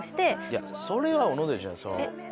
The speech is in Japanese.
いやそれは小野寺ちゃん。